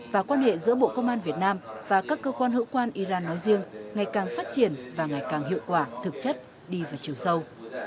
và quan hệ giữa bộ công an việt nam và các cơ quan hữu quan iran nói riêng ngày càng phát triển và ngày càng hiệu quả thực chất đi vào chiều sâu